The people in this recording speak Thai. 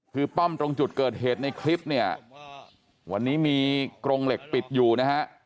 คือป้อมตรงจุดเกิดเหตุในคลิปเนี่ยวันนี้มีกรงเหล็กปิดอยู่นะฮะ